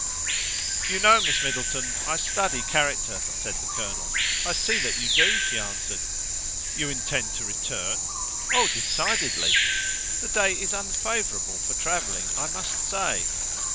"You know, Miss Middleton, I study character," said the colonel. "I see that you do," she answered. "You intend to return?" "Oh, decidedly." "The day is unfavourable for travelling, I must say."